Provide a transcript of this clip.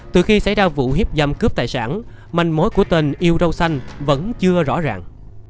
từ khi xảy ra vụ hiếp giam cướp tài sản manh mối của tên yêu râu xanh vẫn chưa rõ ràng